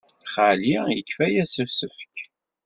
Xali yefka-as asefk.